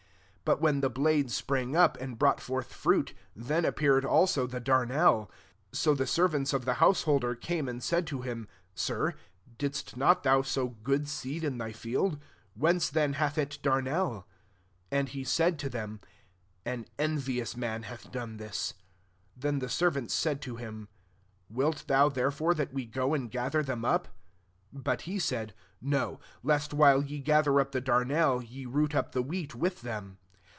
26 But when the blade sprang up, and brought forth fruit, then appeared sdso the darnel. 27 So the servants of the householder came and said to him, ^ Sir, didst not thou sow good seed in thy field ?— whence then hath it darnel? 28 And he said to them, ^ An envious man hath done this.' Then the servants said to him, *Wilt thou therefore that we go and gather them up ?' 29 But he said, ^ No ; lest while ye ga ther up the darnel, ye root up the wheat with them.